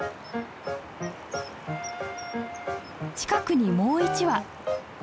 近くにもう一羽。